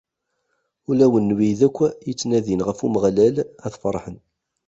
Ulawen n wid akk yettnadin ɣef Umeɣlal, ad ferḥen.